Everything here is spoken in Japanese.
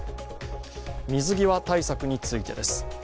水際対策についてです。